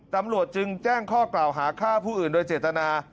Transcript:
ตำรวจจึงแจ้งข้อกล่าวหาฆ่าผู้อื่นโดยเจตนา